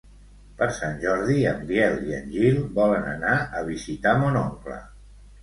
Per Sant Jordi en Biel i en Gil volen anar a visitar mon oncle.